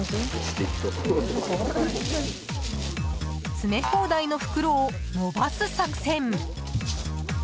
詰め放題の袋を伸ばす作戦。